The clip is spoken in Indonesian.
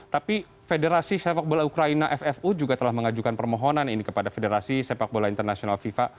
tapi federasi sepak bola ukraina ffu juga telah mengajukan permohonan ini kepada federasi sepak bola internasional fifa